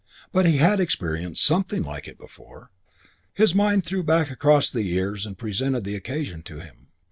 But he had experienced something like it before. His mind threw back across the years and presented the occasion to him.